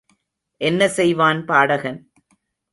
என்ன செய்வான் பாடகன்?